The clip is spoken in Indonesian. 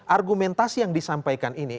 argumentasi yang disampaikan ini